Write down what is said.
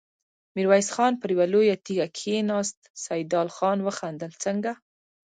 ميرويس خان پر يوه لويه تيږه کېناست، سيدال خان وخندل: څنګه!